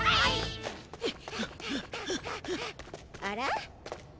あら？